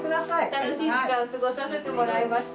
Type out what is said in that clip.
楽しい時間を過ごさせてもらいました。